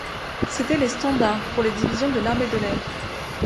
C’était les standards pour les divisions de l’armée de l’air.